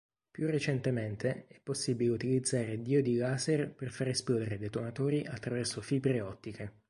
Più recentemente, è possibile utilizzare diodi laser per far esplodere detonatori attraverso fibre ottiche.